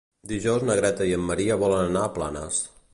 Dijous na Greta i en Maria volen anar a Planes.